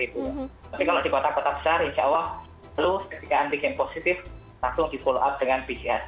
tapi kalau di kota kota besar insya allah lalu ketika antigen positif langsung di follow up dengan pcr